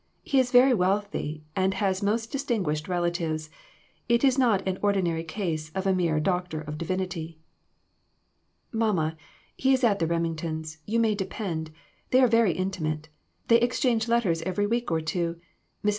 He is very wealthy, and has most distinguished relatives ; it is not an ordinary case of a mere doc tor of divinity." "Mamma, he is at the Remingtons, you may depend. They are very intimate. They exchange letters every week or two. Mrs.